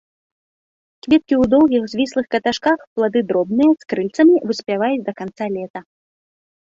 Кветкі ў доўгіх, звіслых каташках, плады дробныя, з крыльцамі, выспяваюць да канца лета.